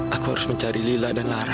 aku harus mencari lila dan lara